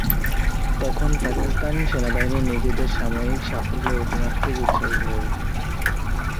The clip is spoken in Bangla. তখন পাকিস্তান সেনাবাহিনী নিজেদের সাময়িক সাফল্যে মাত্রাতিরিক্ত উৎসাহী হয়ে ওঠে।